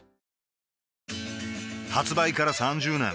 発売から３０年